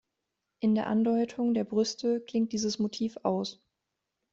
In der Andeutung der Brüste klingt dieses Motiv aus.